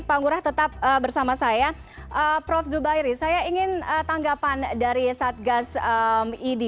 pak ngurah tetap bersama saya prof zubairi saya ingin tanggapan dari satgas idi